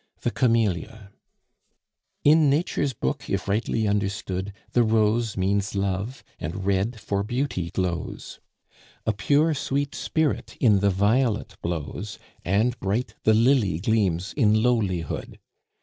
THE CAMELLIA. In Nature's book, if rightly understood, The rose means love, and red for beauty glows; A pure, sweet spirit in the violet blows, And bright the lily gleams in lowlihood.